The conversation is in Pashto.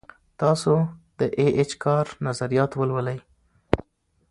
تاسو د ای اېچ کار نظریات ولولئ.